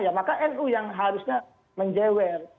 ya maka nu yang harusnya menjewer